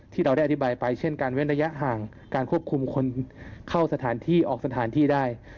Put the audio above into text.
ที่เราได้อธิบายไปเช่นการเว้นระยะห่างการควบคุมคนเข้าสถานที่ออกสถานที่ได้